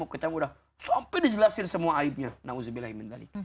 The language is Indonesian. kita udah sampai dijelasin semua aibnya